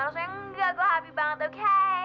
sebenernya enggak gue happy banget oke